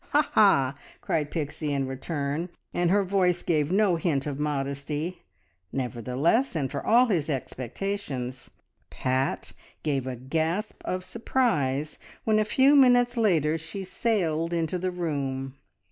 "Ha! Ha!" cried Pixie in return, and her voice gave no hint of modesty. Nevertheless, and for all his expectations, Pat gave a gasp of surprise when a few minutes later she sailed into the room.